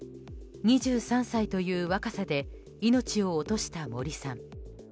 ２３歳という若さで命を落とした森さん。